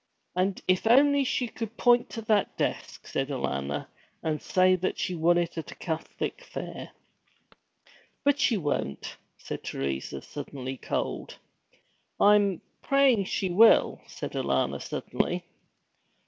'And if only she could point to that desk,' said Alanna, 'and say that she won it at a Catholic fair.' 'But she won't,' said Teresa, suddenly cold. 'I'm praying she will,' said Alanna suddenly.